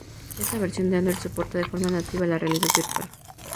Esta versión de Android soporta de forma nativa la realidad virtual.